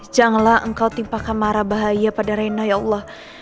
janganlah engkau timpakan marah bahaya pada renna ya allah